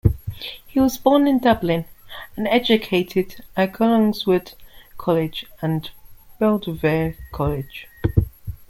He was born in Dublin and educated at Clongowes Wood College and Belvedere College.